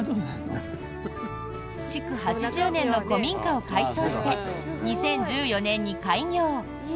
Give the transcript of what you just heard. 築８０年の古民家を改装して２０１４年に開業。